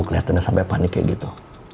kelihatannya sampai panik kayak gitu